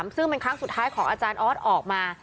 ซึ่งเป็นครั้งสุดท้ายของอาจารย์ออสออกมา